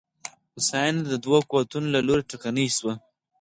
هوساینه د دوو قوتونو له لوري ټکنۍ شوه.